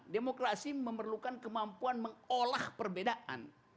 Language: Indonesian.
demokrasi memerlukan kemampuan mengolah perbedaan